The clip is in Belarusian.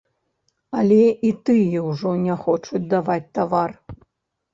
Але і тыя ўжо не хочуць даваць тавар.